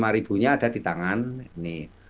satu ratus dua puluh lima ribunya ada di tangan ini